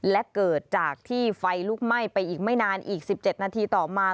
และเกิดจากที่ไฟลุกไหม้ไปอีกไม่นานอีก๑๗นาทีต่อมา